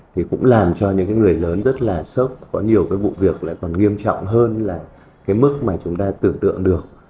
thì cũng làm cho những cái người lớn rất là sốc có nhiều cái vụ việc lại còn nghiêm trọng hơn là cái mức mà chúng ta tưởng tượng được